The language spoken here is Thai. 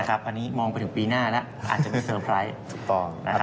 อันนี้มองไปถึงปีหน้าแล้วอาจจะมีสบาย